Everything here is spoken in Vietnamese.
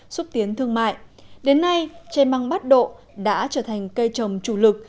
xúc tiến thương mại đến nay tre măng bắt độ đã trở thành cây trồng chủ lực